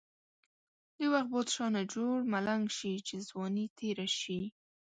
د وخت بادشاه نه جوړ ملنګ شی، چی ځوانی تیره شی.